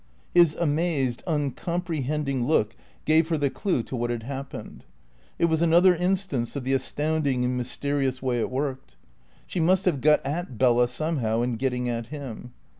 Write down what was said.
His amazed, uncomprehending look gave her the clue to what had happened. It was another instance of the astounding and mysterious way it worked. She must have got at Bella somehow in getting at him.